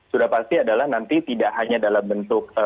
sudah pasti adalah nanti tidak hanya dalam bentuk